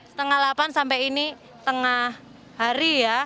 setengah delapan sampai ini tengah hari ya